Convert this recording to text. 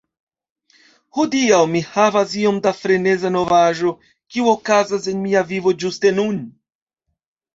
Hodiaŭ mi havas iom da freneza novaĵo kio okazas en mia vivo ĝuste nun.